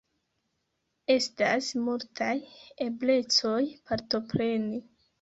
Estas multaj eblecoj partopreni.